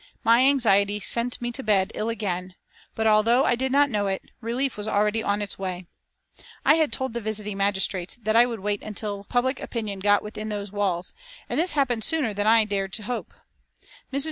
My anxiety sent me to bed ill again, but, although I did not know it, relief was already on its way. I had told the visiting magistrates that I would wait until public opinion got within those walls, and this happened sooner than I had dared to hope. Mrs.